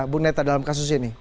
bu neta dalam kasus ini